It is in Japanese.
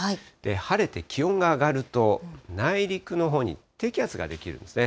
晴れて気温が上がると、内陸のほうに低気圧が出来るんですね。